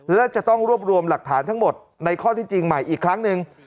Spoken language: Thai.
และจะต้องรวบรวมหลักฐานทั้งหมดในข้อที่จริงใหม่อีกครั้งหนึ่ง